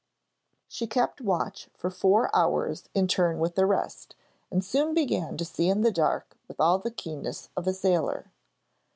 She kept watch for four hours in turn with the rest, and soon began to see in the dark with all the keenness of a sailor.